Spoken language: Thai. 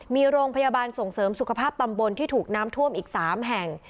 มีโรงพยาบาลส่งเสริมสุขภาพตำบลที่ถูกน้ำท่วมอีก๓แห่ง